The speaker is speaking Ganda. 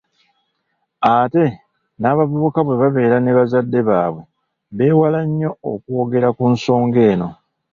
Ate n’abavubuka bwe babeera ne bazadde baabwe beewala nnyo okwogera ku nsonga eno.